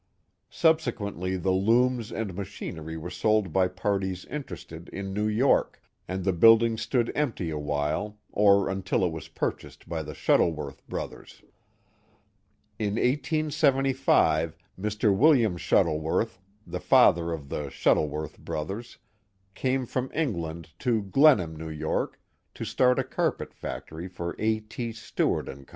Subsequently the looms and machin ery were sold by parties interested in New York, and the building stood empty awhile, or until it was purchased by the Shuttleworth Brothers. In 1875 Mr. William Shuttleworth, the father of the Shuttleworth Brothers," came from England to Glenham, N. Y., to start a carpet factory for A. T. Stewart & Co.